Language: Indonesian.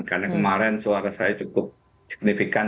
karena kemarin suara saya cukup signifikan